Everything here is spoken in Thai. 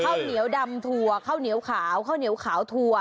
ข้าวเหนียวดำถั่วข้าวเหนียวขาวข้าวเหนียวขาวถั่ว